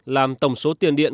làm tổng số tiền điện